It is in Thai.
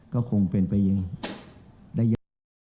ก็คงเป็นไปยังได้ยาก